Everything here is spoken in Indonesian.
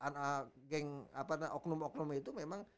yang apa namanya oknum oknum itu memang